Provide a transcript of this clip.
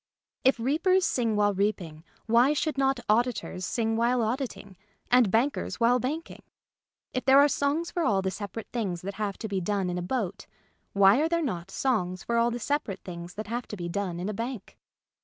If reapers sing while reaping, why should not auditors sing while auditing and bank ers while banking ? If there are songs for all the separate things that have to be done in a boat, why are there not songs for all the separate things that have to be done in a bank